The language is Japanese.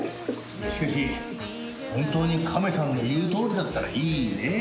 しかし本当にカメさんの言うとおりだったらいいねえ。